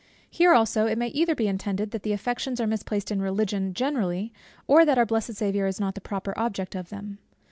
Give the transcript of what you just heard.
Here also it may either be intended, that the affections are misplaced in Religion, generally, or that our blessed Saviour is not the proper object of them.